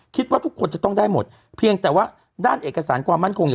คิดว่าทุกคนจะต้องได้หมดเพียงแต่ว่าด้านเอกสารความมั่นคงเนี่ย